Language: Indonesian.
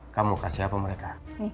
kamu kasih apa mereka